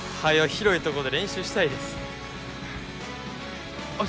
広いとこで練習したいですあっ